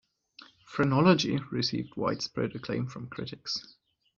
"Phrenology" received widespread acclaim from critics.